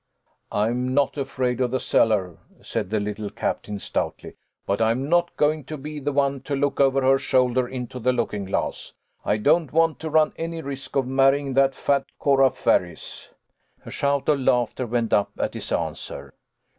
"I am not afraid of the cellar," said the little captain, stoutly, "but I'm not going to be the one to look over her shoulder into the looking glass. I don't want to run any risk of marrying that fat Cora Ferris." A shout of laughter went up at his answer.